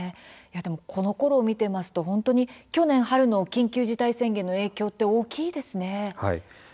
このころを見てますと去年、春の緊急事態宣言の影響大きいですね。